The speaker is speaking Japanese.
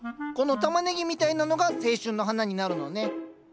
このタマネギみたいなのが青春の花になるのね。